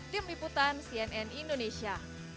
tim liputan cnn indonesia